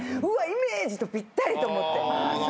イメージとぴったり」と思って。